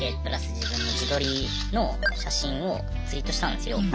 自分の自撮りの写真をツイートしたんですよ。